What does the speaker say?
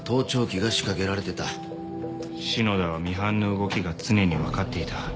篠田はミハンの動きが常に分かっていた。